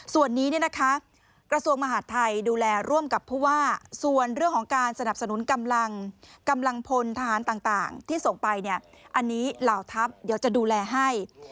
ส่วนนี้กระทรวงมหาดไทยดูแลร่วมกับผู้ว่าส่วนเรื่องของการสนับสนุนกำลังพลทหารต่างที่ส่งไปเนี่ยอันนี้เหล่าทัพเดี๋ยวจะดูแลให้